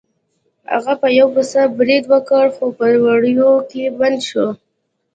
هغه په یو پسه برید وکړ خو په وړیو کې بند شو.